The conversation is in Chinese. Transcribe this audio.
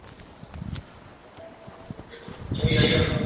通带调制与相应的解调通过调制解调器设备实现。